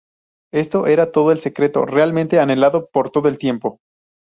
Esto era todo el Secreto realmente anhelado por todo el tiempo.